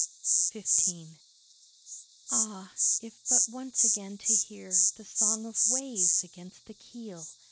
XV Ah! if but once again to hear The song of waves against the keel!